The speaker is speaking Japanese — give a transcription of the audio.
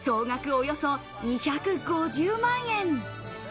およそ２５０万円。